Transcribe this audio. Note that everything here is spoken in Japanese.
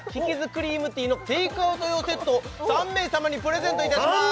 クリームティーのテイクアウト用セットを３名様にプレゼントいたします